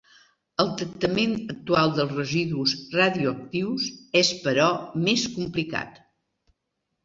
El tractament actual dels residus radioactius és però més complicat.